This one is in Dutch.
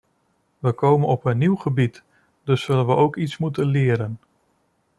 We komen op een nieuw gebied, dus zullen we ook iets moeten leren.